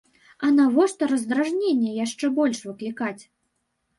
А навошта раздражненне яшчэ больш выклікаць?